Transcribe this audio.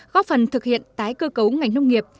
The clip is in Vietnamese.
góp phần thực hiện tái cơ cấu ngành nông nghiệp